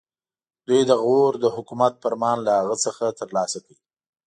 دوی د غور د حکومت فرمان له هغه څخه ترلاسه کړ.